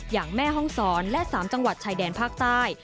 แม่ห้องศรและ๓จังหวัดชายแดนภาคใต้